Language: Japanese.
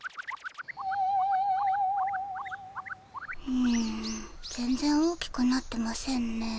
うん全ぜん大きくなってませんね。